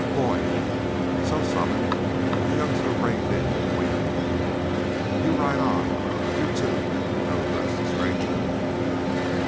"Boyd!" So summoned, the youngster reined in to wait for them. "You ride on! You, too!" Drew addressed the stranger.